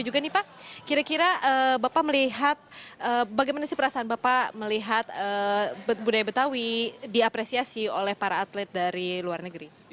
juga nih pak kira kira bapak melihat bagaimana sih perasaan bapak melihat budaya betawi diapresiasi oleh para atlet dari luar negeri